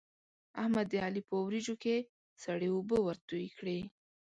احمد د علي په وريجو کې سړې اوبه ورتوی کړې.